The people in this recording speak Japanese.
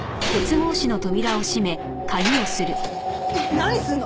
何すんの！？